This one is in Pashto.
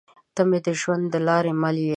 تۀ مې د ژوند د لارې مل يې